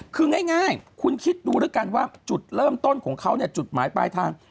คือง่ายคุณคิดดูแล้วกันว่าจุดเริ่มต้นของเขาเนี่ยจุดหมายปลายทาง